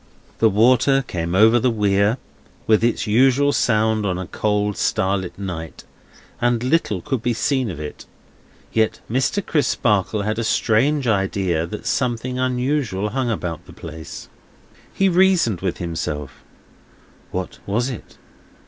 The water came over the Weir, with its usual sound on a cold starlight night, and little could be seen of it; yet Mr. Crisparkle had a strange idea that something unusual hung about the place. He reasoned with himself: What was it?